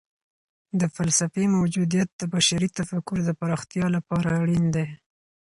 د فلسفې موجودیت د بشري تفکر د پراختیا لپاره اړین دی.